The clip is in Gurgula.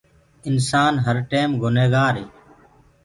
انسآن هر ٽيم گُني گآري